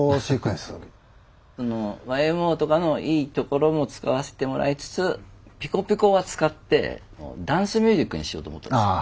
ＹＭＯとかのいいところも使わせてもらいつつピコピコは使ってダンスミュージックにしようと思ったんですよ。